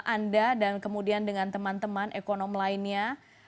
anda dan kemudian dengan teman teman ekonom lainnya